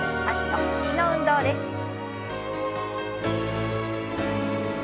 脚と腰の運動です。